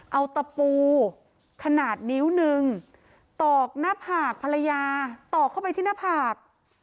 เอาตะปูขนาดนิ้วหนึ่งตอกหน้าผากภรรยาตอกเข้าไปที่หน้าผาก